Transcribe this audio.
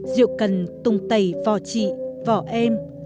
rượu cần tung tẩy vò chị vò em